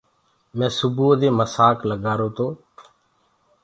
مينٚ سُبئو دي موسآگ لگآرو گو۔